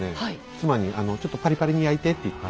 妻に「ちょっとパリパリに焼いて」って言って。